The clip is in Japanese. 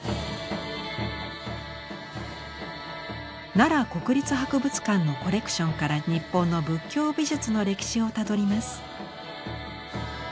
奈良国立博物館のコレクションから日本の仏教美術の歴史をたどります。